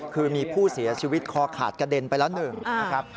คือมีผู้เสียชีวิตคอขาดกระเด็นไปแล้วหนึ่งนะครับ